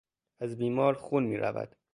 از بیمار خون میرود.